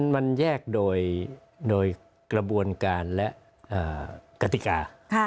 มันแยกโดยกระบวนการและกติกา